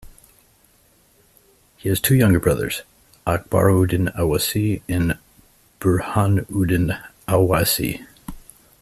He has two younger brothers, Akbaruddin Owaisi and Burhanuddin Owaisi.